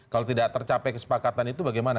kalau tidak tercapai kesepakatan itu bagaimana